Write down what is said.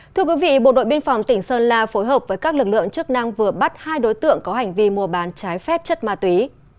thưa quý vị bộ đội biên phòng tỉnh sơn la phối hợp với các lực lượng chức năng vừa bắt hai đối tượng có hành vi mua bán trái phép chất ma túy